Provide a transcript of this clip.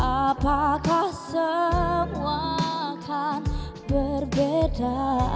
apakah semua akan berbeda